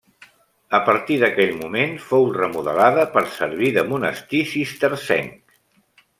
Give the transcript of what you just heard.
A partir d’aquell moment fou remodelada per servir de monestir cistercenc.